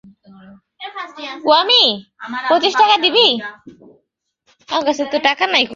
আমরা কপিরাইটমুক্ত অথবা মুক্ত লাইসেন্সের অধীনে প্রকাশিত বইগুলিকে বিনামূল্যে প্রদান করে থাকি।